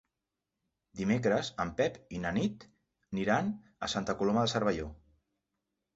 Dimecres en Pep i na Nit iran a Santa Coloma de Cervelló.